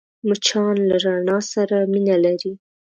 مچان له رڼا سره مینه لري